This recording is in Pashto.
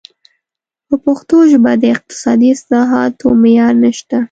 په پښتو ژبه د اقتصادي اصطلاحاتو معیار نشته.